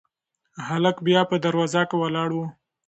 هلک بیا هم په دروازه کې ولاړ و.